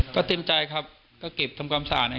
ก็เต็มใจครับก็เก็บทำความสะอาด